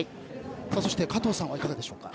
そして、加藤さんはいかがでしょうか？